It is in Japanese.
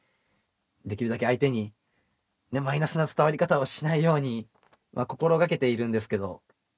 できるだけ相手にマイナスな伝わり方をしないように心がけているんですけどこう